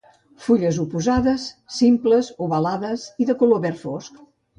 Fulles oposades, simples, ovalades i de color verd fosc.